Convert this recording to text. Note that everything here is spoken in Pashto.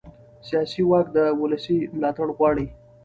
سیاسي واک د ولس ملاتړ غواړي